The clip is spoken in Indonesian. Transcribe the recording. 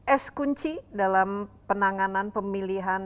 es kunci dalam penanganan pemilihan